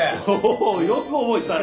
およく覚えてたね。